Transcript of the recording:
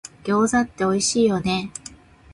餃子っておいしいよね